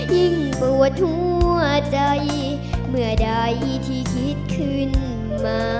ยิ่งปวดทั่วใจเมื่อใดที่คิดขึ้นมา